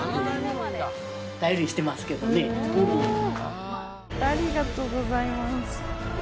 ありがとうございます。